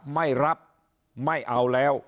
ไม่รับไม่เอาแล้ว